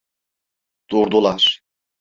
Durdular.